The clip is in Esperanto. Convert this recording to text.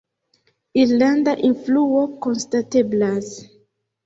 Irlanda influo konstateblas.